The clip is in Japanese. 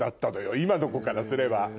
今の子からすれば。